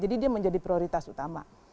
jadi dia menjadi prioritas utama